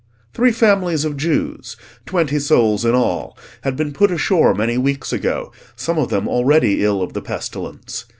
Three families of Jews, twenty souls in all, had been put ashore many weeks ago, some of them already ill of the pestilence.